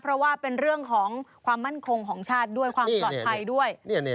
เพราะว่าเป็นเรื่องของความมั่นคงของชาติด้วยความปลอดภัยด้วย